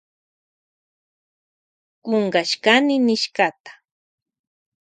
Kunkashkani nishkata.